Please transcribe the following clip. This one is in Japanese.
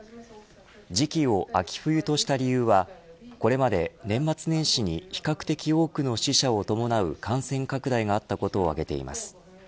時期を秋冬とした理由はこれまで年末年始に比較的多くの死者を伴う感染拡大があったことを挙げています。